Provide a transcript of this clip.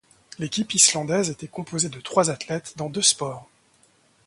L'équipe islandaise était composée de trois athlètes dans deux sports.